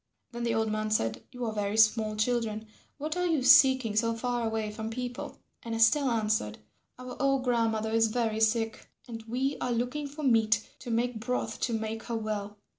Then the old man said, "You are very small children; what are you seeking so far away from people?" And Estelle answered, "Our old grandmother is very sick, and we are looking for meat to make broth to make her well."